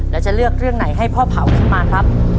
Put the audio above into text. แล้วจะเลือกเรื่องไหนให้พ่อเผาขึ้นมาครับ